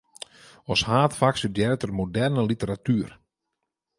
As haadfak studearret er moderne literatuer.